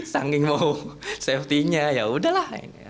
sangking mau safety nya yaudah lah